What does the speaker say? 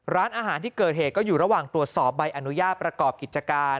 ร้านอาหารที่เกิดเหตุก็อยู่ระหว่างตรวจสอบใบอนุญาตประกอบกิจการ